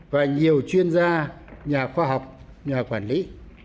và nhiều chuyên gia nhà khoa học nhà quản lý